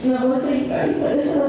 namun seringkali pada saat